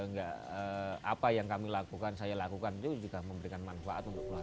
enggak apa yang kami lakukan saya lakukan itu juga memberikan manfaat untuk keluarga